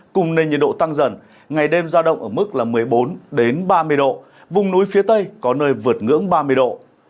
cùng nền nhiệt độ tăng dần ngày đêm giao động ở mức một mươi bốn ba mươi độ vùng núi phía tây có nơi vượt ngưỡng ba mươi độ